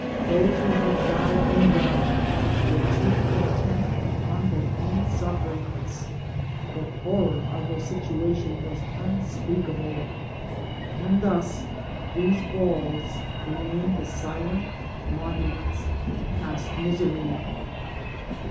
Those who had died in them were too intent upon their own sufferings; the horror of their situation was un speakable, and thus these walls remain the silent monuments of past misery.